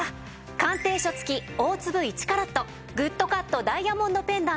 鑑定書付き大粒１カラットＧＯＯＤカットダイヤモンドペンダント